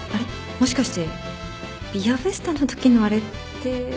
もしかしてビアフェスタのときのあれって。